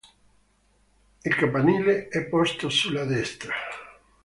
Il campanile è posto sulla destra.